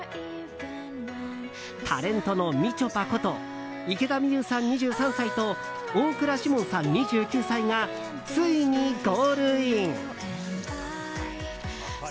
タレントのみちょぱこと池田美優さん、２３歳と大倉士門さん、２９歳がついにゴールイン！